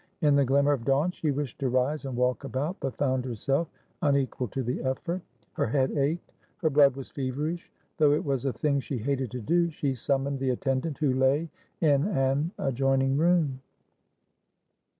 In the glimmer of dawn, she wished to rise and walk about, but found herself unequal to the effort. Her head ached; her blood was feverish. Though it was a thing she hated to do, she summoned the attendant who lay in an adjoining room.